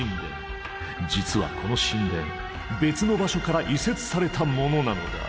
実はこの神殿別の場所から移設されたものなのだ。